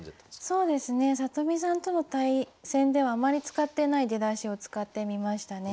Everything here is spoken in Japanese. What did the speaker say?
そうですね里見さんとの対戦ではあまり使ってない出だしを使ってみましたね。